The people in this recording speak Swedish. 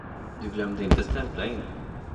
Du glömde inte stämpla in?